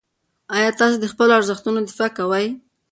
آیا تاسې د خپلو ارزښتونو دفاع کوئ؟